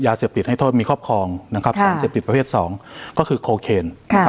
ยาเสพติดให้โทษมีครอบครองสารเสพติดประเภท๒ก็คือโคเคน